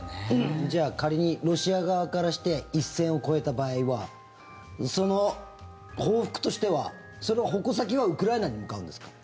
仮にロシア側からして一線を越えた場合はその報復としては、その矛先はウクライナに向かうんですか？